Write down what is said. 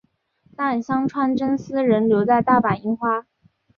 但香川真司仍留在大阪樱花。